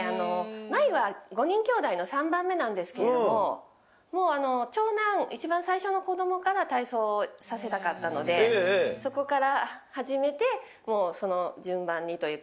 茉愛は５人きょうだいの３番目なんですけれどももう長男一番最初の子供から体操をさせたかったのでそこから始めてもうその順番にというか。